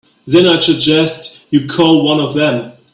Then I suggest you call one of them.